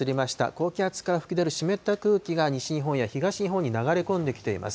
高気圧から吹き出る湿った空気が西日本や東日本に流れ込んできています。